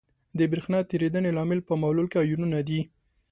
د برېښنا تیریدنې لامل په محلول کې آیونونه دي.